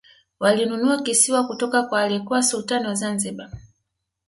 walinunua kisiwa kutoka kwa aliyekuwa sultani wa zanzibar